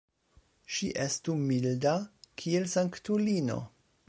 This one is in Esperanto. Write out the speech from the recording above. Ŝi estu milda, kiel sanktulino!